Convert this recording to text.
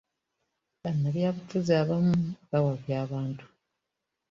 Bannabyabufuzi abamu bawabya abantu.